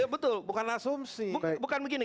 betul bukan asumsi